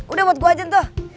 udah buat gue aja tuh